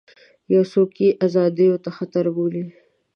یو څوک یې ازادیو ته خطر بولي.